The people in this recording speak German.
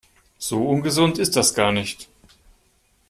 So ungesund ist das gar nicht.